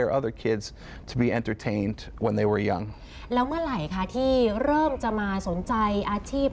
ชะมัดนะยึดเป็นอาชีพ